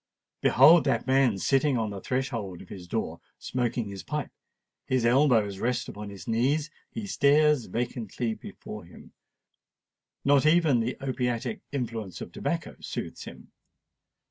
Behold that man sitting on the threshold of his door, smoking his pipe:—his elbows rest upon his knees—he stares vacantly before him—not even the opiatic influence of tobacco soothes him.